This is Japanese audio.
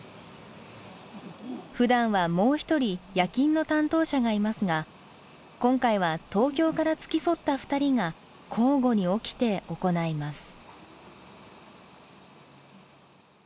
ふだんはもう一人夜勤の担当者がいますが今回は東京から付き添った２人が交互に起きて行います。